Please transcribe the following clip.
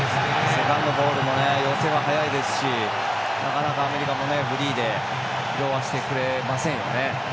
セカンドボールにも寄せが早いですしなかなかアメリカもフリーで拾わせてくれませんね。